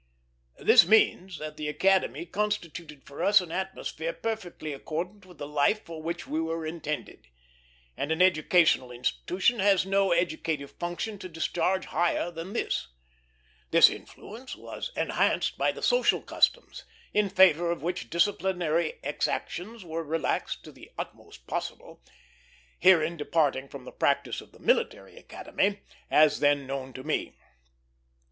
This means that the Academy constituted for us an atmosphere perfectly accordant with the life for which we were intended; and an educational institution has no educative function to discharge higher than this. This influence was enhanced by the social customs, in favor of which disciplinary exactions were relaxed to the utmost possible; herein departing from the practice at the Military Academy, as then known to me.